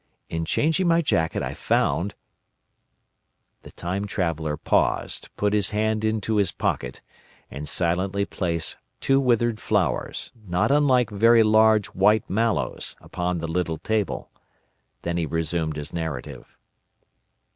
In changing my jacket I found…" _The Time Traveller paused, put his hand into his pocket, and silently placed two withered flowers, not unlike very large white mallows, upon the little table. Then he resumed his narrative.